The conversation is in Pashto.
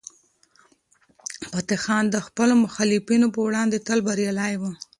فتح خان د خپلو مخالفینو په وړاندې تل بریالی و.